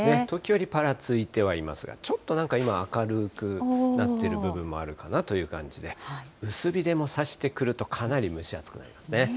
時折ぱらついてはいますが、ちょっとなんか今、明るくなってる部分もあるかなという感じで、薄日でもさしてくると、かなり蒸し暑くなりますね。